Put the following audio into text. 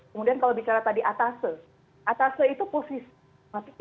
kemudian kalau bicara tadi atasa atasa itu posisi